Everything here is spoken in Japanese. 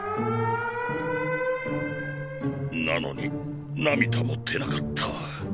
なのに涙も出なかった。